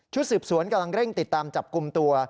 สืบสวนกำลังเร่งติดตามจับกลุ่มตัว